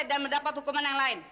dan mendapat hukuman yang lain